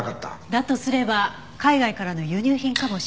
だとすれば海外からの輸入品かもしれないわね。